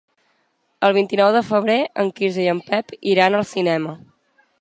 El vint-i-nou de febrer en Quirze i en Pep iran al cinema.